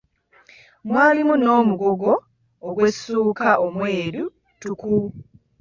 Mwalimu n'omugogo gw'essuuka omweru ttuku.